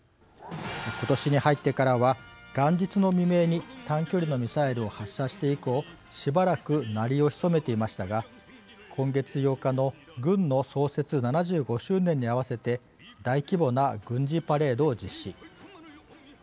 今年に入ってからは元日の未明に短距離のミサイルを発射して以降しばらく鳴りを潜めていましたが今月８日の軍の創設７５周年に合わせて大規模な軍事パレードを実施。